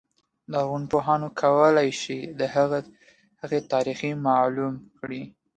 لرغونپوهان کولای شي د هغې تاریخ معلوم کړي.